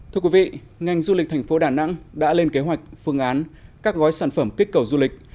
thưa quý vị ngành du lịch thành phố đà nẵng đã lên kế hoạch phương án các gói sản phẩm kích cầu du lịch